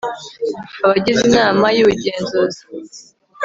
abagize inama y'ubugenzuzi